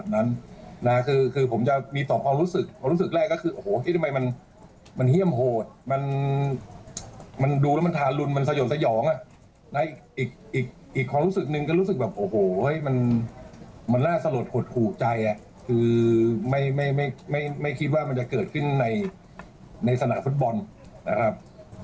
มันน่าสะโหลดหกหู่ใจคือไม่คิดว่ามันจะเกิดขึ้นในสระฟุตบอลนะครับ